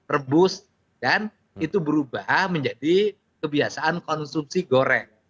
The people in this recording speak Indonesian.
rebus dan itu berubah menjadi kebiasaan konsumsi goreng